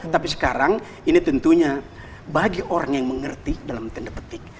tapi sekarang ini tentunya bagi orang yang mengerti dalam tanda petik